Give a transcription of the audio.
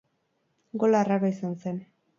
Gola arraroa izan zen.